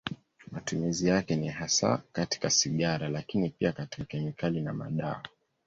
Matumizi yake ni hasa katika sigara, lakini pia katika kemikali na madawa.